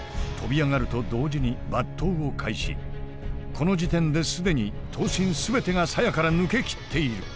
この時点で既に刀身全てが鞘から抜けきっている。